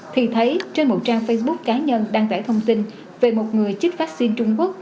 thì thấy trên một trang facebook cá nhân đăng tải thông tin về một người chích vaccine trung quốc